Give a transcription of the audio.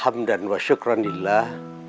hamdan wa syukranillah